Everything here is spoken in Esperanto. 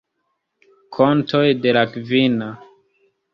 Kontoj de la Kvina.